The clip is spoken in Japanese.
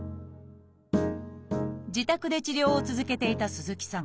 自宅で治療を続けていた鈴木さん。